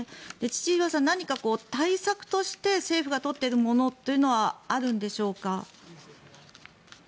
千々岩さん、何か対策として政府が取ってるものというのはあるんでしょうか。